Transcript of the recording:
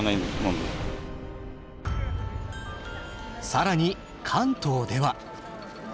更に関東では。